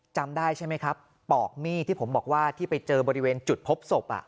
จำได้ใช่ไหมครับปอกมีดที่ผมบอกว่าที่ไปเจอบริเวณจุดพบศพ